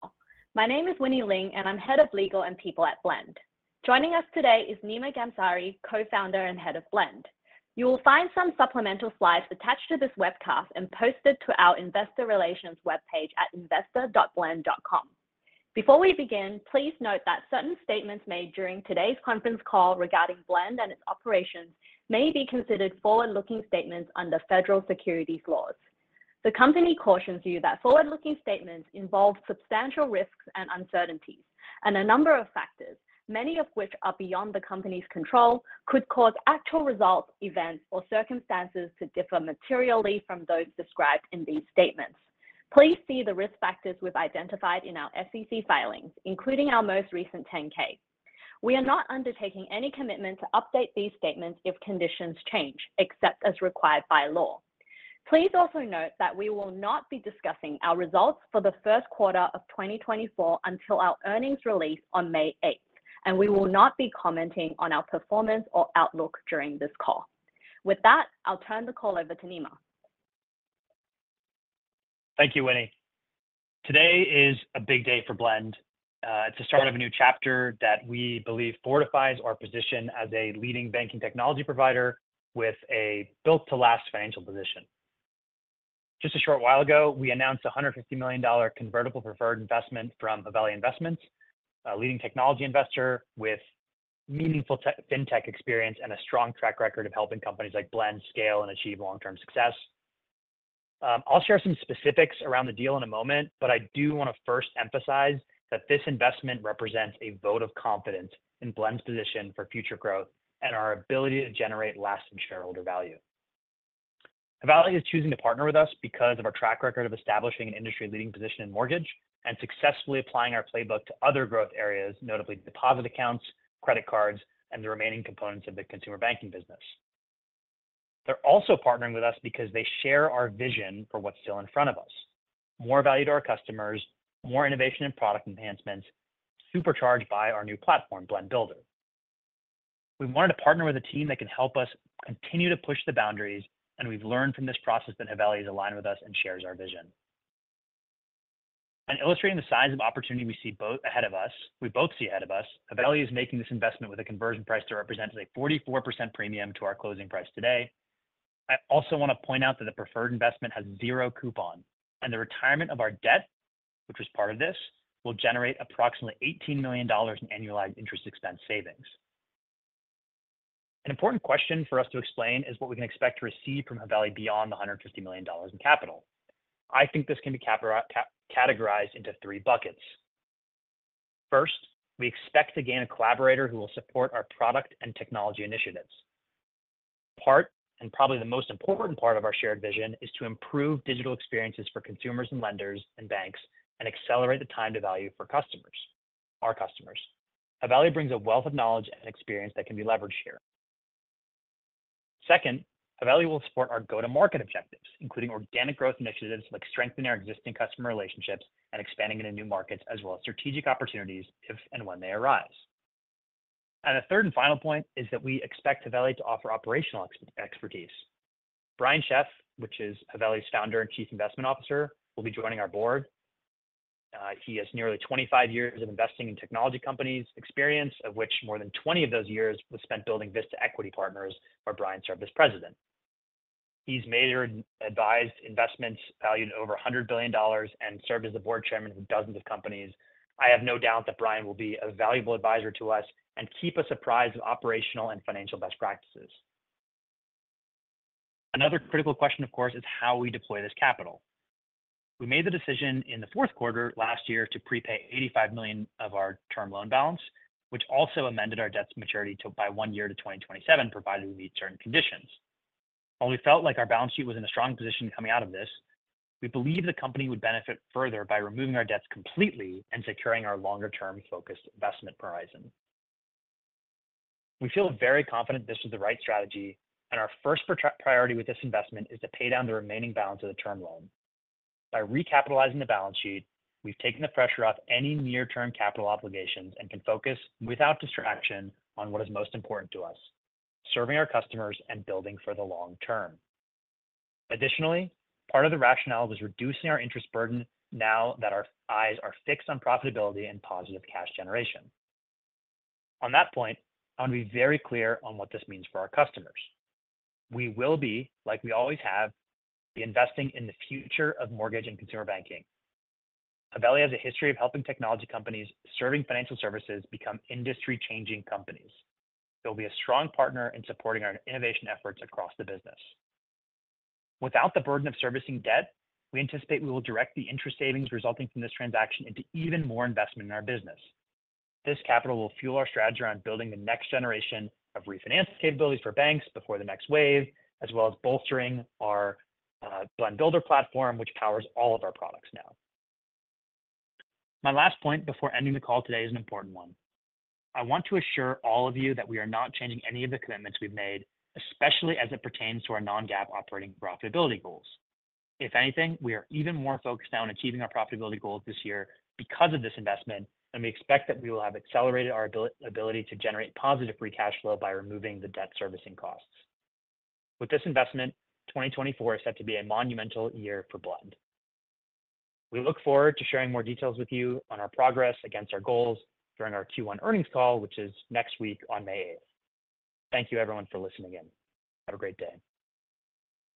My name is Winnie Ling, and I'm Head of Legal and People at Blend. Joining us today is Nima Ghamsari, Co-founder and Head of Blend. You will find some supplemental slides attached to this webcast and posted to our investor relations webpage at investor.blend.com. Before we begin, please note that certain statements made during today's conference call regarding Blend and its operations may be considered forward-looking statements under federal securities laws. The company cautions you that forward-looking statements involve substantial risks and uncertainties, and a number of factors, many of which are beyond the company's control, could cause actual results, events, or circumstances to differ materially from those described in these statements. Please see the risk factors we've identified in our SEC filings, including our most recent 10-K. We are not undertaking any commitment to update these statements if conditions change, except as required by law. Please also note that we will not be discussing our results for the first quarter of 2024 until our earnings release on 8 May, and we will not be commenting on our performance or outlook during this call. With that, I'll turn the call over to Nima. Thank you, Winnie. Today is a big day for Blend. It's the start of a new chapter that we believe fortifies our position as a leading banking technology provider with a built-to-last financial position. Just a short while ago, we announced a $150 million convertible preferred investment from Haveli Investments, a leading technology investor with meaningful tech-fintech experience and a strong track record of helping companies like Blend scale and achieve long-term success. I'll share some specifics around the deal in a moment, but I do want to first emphasize that this investment represents a vote of confidence in Blend's position for future growth and our ability to generate lasting shareholder value. Haveli is choosing to partner with us because of our track record of establishing an industry-leading position in mortgage and successfully applying our playbook to other growth areas, notably deposit accounts, credit cards, and the remaining components of the consumer banking business. They're also partnering with us because they share our vision for what's still in front of us. More value to our customers, more innovation and product enhancements, supercharged by our new platform, Blend Builder. We wanted to partner with a team that can help us continue to push the boundaries, and we've learned from this process that Haveli is aligned with us and shares our vision. In illustrating the size of opportunity we both see ahead of us, Haveli is making this investment with a conversion price that represents a 44% premium to our closing price today. I also want to point out that the preferred investment has zero coupon, and the retirement of our debt, which was part of this, will generate approximately $18 million in annualized interest expense savings. An important question for us to explain is what we can expect to receive from Haveli beyond the $150 million in capital. I think this can be categorized into three buckets. First, we expect to gain a collaborator who will support our product and technology initiatives. Part, and probably the most important part of our shared vision, is to improve digital experiences for consumers and lenders and banks and accelerate the time to value for customers, our customers. Haveli brings a wealth of knowledge and experience that can be leveraged here. Second, Haveli will support our go-to-market objectives, including organic growth initiatives, like strengthening our existing customer relationships and expanding into new markets, as well as strategic opportunities if and when they arise. And the third and final point is that we expect Haveli to offer operational expertise. Brian Sheth, which is Haveli's founder and chief investment officer, will be joining our board. He has nearly 25 years of investing in technology companies experience, of which more than 20 of those years was spent building Vista Equity Partners, where Brian served as president. He's made or advised investments valued at over $100 billion and served as the board chairman of dozens of companies. I have no doubt that Brian will be a valuable advisor to us and keep us apprised of operational and financial best practices. Another critical question, of course, is how we deploy this capital. We made the decision in the fourth quarter last year to prepay $85 million of our term loan balance, which also amended our debt's maturity by 1 year to 2027, provided we meet certain conditions. While we felt like our balance sheet was in a strong position coming out of this, we believe the company would benefit further by removing our debt completely and securing our longer-term, focused investment horizon. We feel very confident this is the right strategy, and our first priority with this investment is to pay down the remaining balance of the term loan. By recapitalizing the balance sheet, we've taken the pressure off any near-term capital obligations and can focus, without distraction, on what is most important to us, serving our customers and building for the long term. Additionally, part of the rationale was reducing our interest burden now that our eyes are fixed on profitability and positive cash generation. On that point, I want to be very clear on what this means for our customers. We will be, like we always have, investing in the future of mortgage and consumer banking. Haveli has a history of helping technology companies serving financial services become industry-changing companies. They'll be a strong partner in supporting our innovation efforts across the business. Without the burden of servicing debt, we anticipate we will direct the interest savings resulting from this transaction into even more investment in our business. This capital will fuel our strategy around building the next generation of refinance capabilities for banks before the next wave, as well as bolstering our Blend Builder platform, which powers all of our products now. My last point before ending the call today is an important one. I want to assure all of you that we are not changing any of the commitments we've made, especially as it pertains to our non-GAAP operating profitability goals. If anything, we are even more focused now on achieving our profitability goals this year because of this investment, and we expect that we will have accelerated our ability to generate positive free cash flow by removing the debt-servicing costs. With this investment, 2024 is set to be a monumental year for Blend. We look forward to sharing more details with you on our progress against our goals during our Q1 earnings call, which is next week on May eighth. Thank you, everyone, for listening in. Have a great day.